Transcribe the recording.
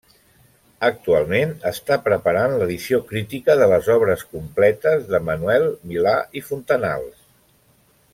Actualment està preparant l'edició crítica de les Obres Completes de Manuel Milà i Fontanals.